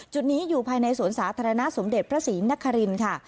จุดนี้อยู่ภายในสวนสาธารณะสมเด็จพระศรีนครินค่ะ